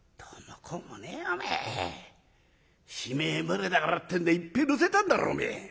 船だからってんでいっぺえ乗せたんだろおめえ。